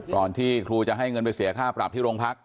ที่ครูจะให้เงินไปเสียค่าปรับที่โรงพัก